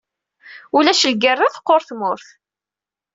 Ulac lgerra, teqqur tmurt.